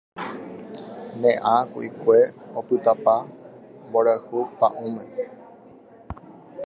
Ne ã ku'ikue opytáta mborayhu pa'ũme